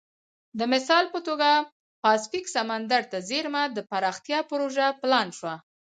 د مثال په توګه پاسفیک سمندر ته څېرمه د پراختیا پروژه پلان شوه.